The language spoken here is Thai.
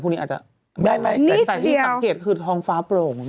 ไม่นิดเดียวแต่ที่อังเกตคือทองฟ้าโปร่งไหม